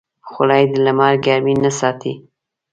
خولۍ د لمر ګرمۍ نه ساتي.